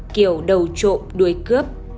kiểu đầu trộm đuôi cướp